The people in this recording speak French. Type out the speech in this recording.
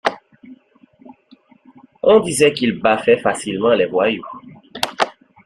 on disait qu’il baffait facilement les voyous.